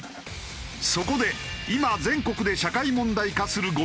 そこで今全国で社会問題化するゴミ屋敷。